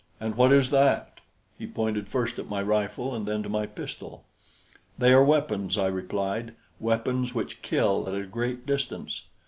"And what is that?" He pointed first at my rifle and then to my pistol. "They are weapons," I replied, "weapons which kill at a great distance."